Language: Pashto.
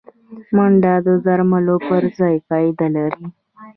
منډه د درملو پر ځای فایده لري